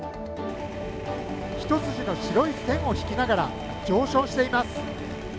一筋の白い線を引きながら上昇しています。